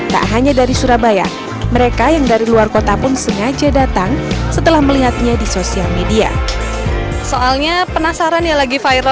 tak hanya dari surabaya mereka yang dari luar kota pun sengaja datang setelah melihatnya di sosial media